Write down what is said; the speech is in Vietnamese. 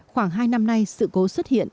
khoảng hai năm nay sự cố xuất hiện